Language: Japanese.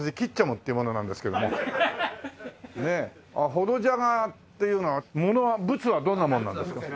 ほどじゃがっていうのはものはブツはどんなものなんですか？